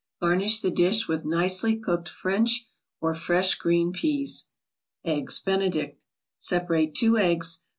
Garnish the dish with nicely cooked French or fresh green peas. EGGS BENEDICT Separate two eggs.